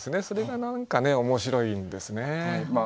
それが何かね面白いんですね。